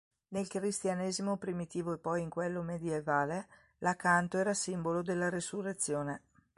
Nel cristianesimo primitivo e poi in quello medievale l'acanto era simbolo della Resurrezione.